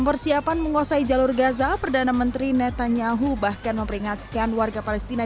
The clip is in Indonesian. persiapan menguasai jalur gaza perdana menteri netanyahu bahkan memperingatkan warga palestina